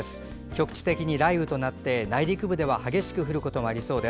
局地的に雷雨となって内陸部では激しく降るところもあるでしょう。